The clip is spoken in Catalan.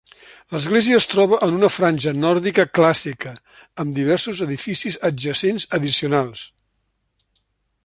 L'església es troba en una granja nòrdica clàssica, amb diversos edificis adjacents addicionals.